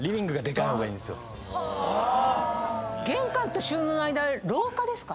玄関と収納の間廊下ですか？